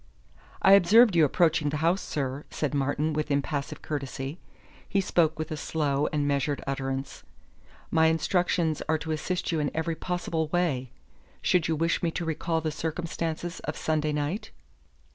"I observed you approaching the house, sir," said Martin with impassive courtesy. He spoke with a slow and measured utterance. "My instructions are to assist you in every possible way. Should you wish me to recall the circumstances of Sunday night?"